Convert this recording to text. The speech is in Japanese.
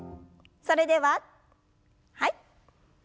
それでははい。